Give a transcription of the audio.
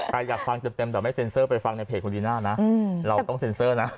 ใครอยากฟังเต็มแต่ไม่เซ็นเซอร์ไปฟังในเพจคุณลีน่านะเราต้องเซ็นเซอร์นะ